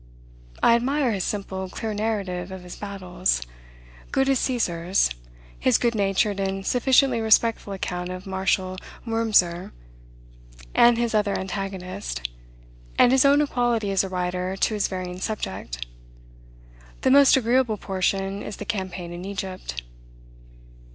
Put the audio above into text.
I admire his simple, clear narrative of his battles; good as Caesar's; his good natured and sufficiently respectful account of Marshal Wurmser and his other antagonists, and his own equality as a writer to his varying subject. The most agreeable portion is the Campaign in Egypt.